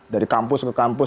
dari kampus ke kampus